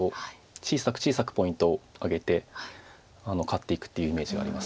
小さく小さくポイントを挙げて勝っていくっていうイメージがあります。